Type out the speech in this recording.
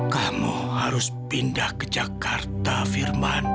kamu harus pindah ke jakarta firman